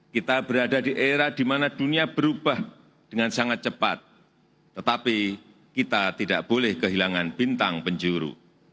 kita berada di era di mana dunia berubah dengan sangat cepat tetapi kita tidak boleh kehilangan bintang penjuru